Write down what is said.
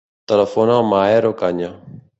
Telefona al Maher Ocaña.